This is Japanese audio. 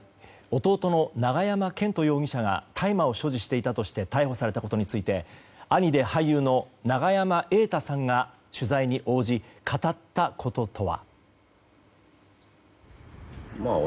弟の永山絢斗容疑者が大麻を所持していたとして逮捕されたことについて兄で俳優の永山瑛太さんが取材に応じ、語ったこととは。